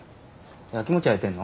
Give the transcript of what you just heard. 焼きもち焼いてんの？